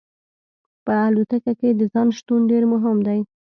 په الوتکه کې د ځای شتون ډیر مهم دی